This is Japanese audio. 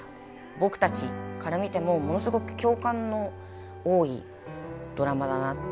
僕たちから見てもものすごく共感の多いドラマだなって。